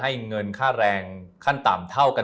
เงินค่าแรงขั้นต่ำเท่ากัน